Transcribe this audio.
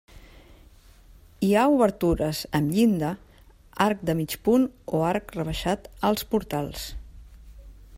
Hi ha obertures amb llinda, arc de mig punt o arc rebaixat als portals.